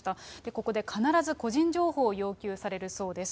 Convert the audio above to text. ここで必ず個人情報を要求されるそうです。